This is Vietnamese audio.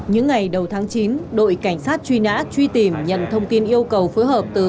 những ngày đầu tháng chín đội cảnh sát truy nã truy tìm nhận thông tin yêu cầu phối hợp từ